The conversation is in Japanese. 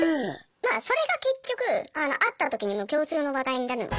まあそれが結局会った時にも共通の話題になるので。